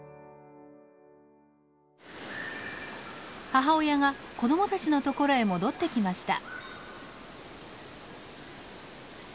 母親が子どもたちのところへ戻ってきました。